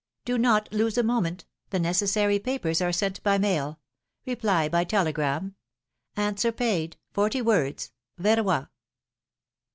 Do not lose a moment ; the necessary papers are sent by mail, Reply by telegram. Answer paid, forty words." Veeroy."